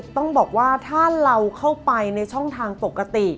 ต้องบอกว่าถ้าเราเข้าไปในช่องทางปกติ